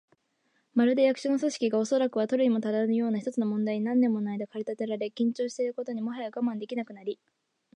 まるで、役所の組織が、おそらくは取るにたらぬような一つの問題に何年ものあいだ駆り立てられ、緊張していることにもはや我慢できなくなり、